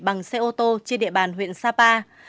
bằng xe ô tô trên địa bàn huyện sapa